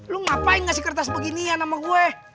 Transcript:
lu ngapain ngasih kertas beginian sama gue